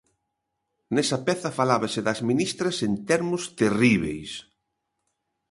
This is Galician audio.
Nesa peza falábase das ministras en termos terríbeis.